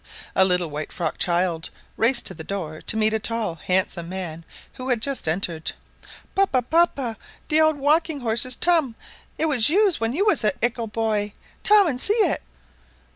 A little white frocked child raced to the door to meet a tall, handsome man who had just entered. "Papa! papa! the old wocking horse is tum it was youse when you was ickle boy; tum and see it."